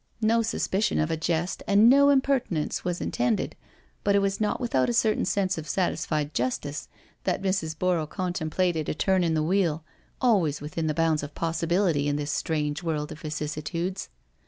No suspicion of a jest and no impertinence was intended, but it was not without a certain sense of satisfied justice that Mrs. Borrow con templated a turn in the wheel, always within the bounds of possibility in this strange world of vicissitudes.